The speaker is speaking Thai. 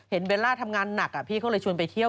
เบลล่าทำงานหนักพี่เขาเลยชวนไปเที่ยว